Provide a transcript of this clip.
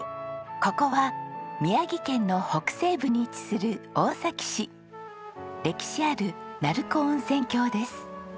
ここは宮城県の北西部に位置する大崎市歴史ある鳴子温泉郷です。